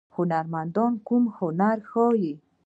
هنرمندان کوم هنر ښيي؟